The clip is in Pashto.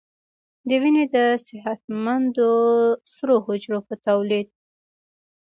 د وینې د صحتمندو سرو حجرو په تولید